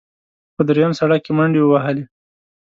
په درېیم سړک کې منډې ووهلې.